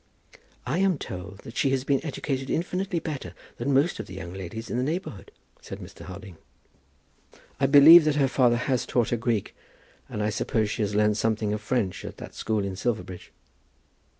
"I am told that she has been educated infinitely better than most of the young ladies in the neighbourhood," said Mr. Harding. "I believe that her father has taught her Greek; and I suppose she has learned something of French at that school at Silverbridge."